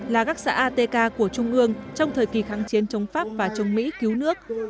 là các xã atk của trung ương trong thời kỳ kháng chiến chống pháp và chống mỹ cứu nước